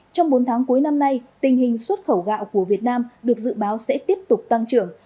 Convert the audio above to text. trong bốn tháng cuối năm nay tình hình xuất khẩu gạo của việt nam được dự báo sẽ tiếp tục tăng trưởng